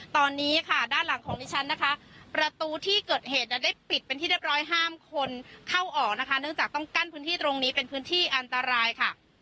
ตอนนี้ค่ะด้านหลังของนิชชันนะคะ